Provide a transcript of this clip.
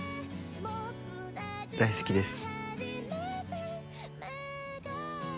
大好きです